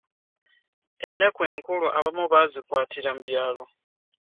Ennaku enkulu abamu bazikwatira mu byalo.